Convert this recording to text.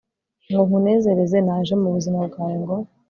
ngo nkunezereze naje mubuzima bwawe ngo